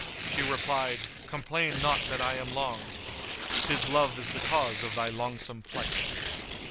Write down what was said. She replied, 'Complain not that I am long: * 'Tis love is the cause of thy longsome plight!